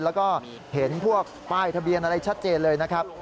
แล้วก็เห็นพวกป้ายทะเบียนอะไรชัดเจนเลยนะครับ